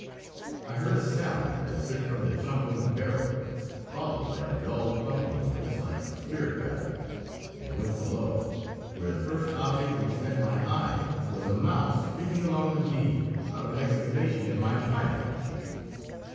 I heard a sound as if from the tumbling of barrels, followed by a dull, thumping noise, like spirit rappings, and went below, where the first object which met my eye was a mouse creeping along the beam out of an excavation in my pineapple cheese.